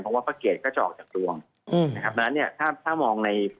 เพราะว่าประเกษก็จะออกจากตวงแล้วเนี่ยแต่มองใน